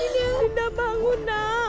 dinda bangun nak